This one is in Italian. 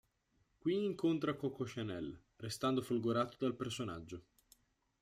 Qui incontra Coco Chanel, restando folgorato dal personaggio.